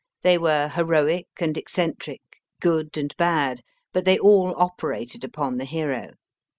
They were heroic and eccentric, good and bad, but they all operated upon the hero.